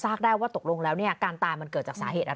ซากได้ว่าตกลงแล้วการตามันเกิดจากสาเหตุอะไร